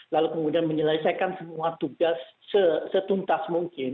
lalu kemudian menyelesaikan semua tugas setuntas mungkin